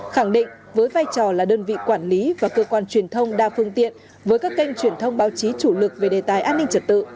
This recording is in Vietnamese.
khẳng định với vai trò là đơn vị quản lý và cơ quan truyền thông đa phương tiện với các kênh truyền thông báo chí chủ lực về đề tài an ninh trật tự